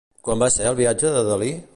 Quan va ser el viatge de Dalí?